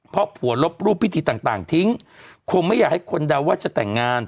เพราะผัวลบรูปพิธีต่างทิ้งคงไม่อยากให้คนเดาว่าจะแต่งงาน